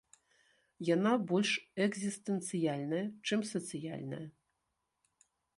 Яна больш экзістэнцыяльная, чым сацыяльная.